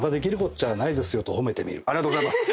ありがとうございます。